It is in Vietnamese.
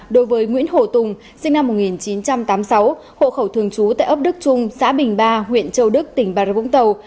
đối với nguyễn hồ tùng sinh năm một nghìn chín trăm tám mươi sáu hộ khẩu thường trú tại ấp đức trung xã bình ba huyện châu đức tỉnh bà rập vũng tàu